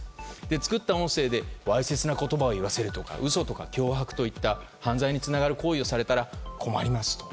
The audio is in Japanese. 作った音声でわいせつな言葉を言わせるとか嘘とか脅迫といった犯罪につながる行為をされたら困りますと。